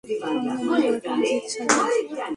আমরা ওদের বারোটা বাজিয়ে ছাড়বো।